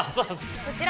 こちら。